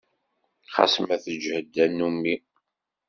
Xas ma teǧǧhed tannumi.